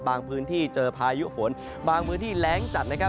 พื้นที่เจอพายุฝนบางพื้นที่แรงจัดนะครับ